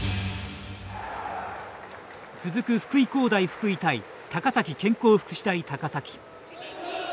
続く福井工大福井対高崎健康福祉大高崎。